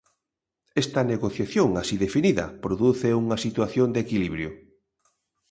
Esta negociación así definida produce unha situación de equilibrio.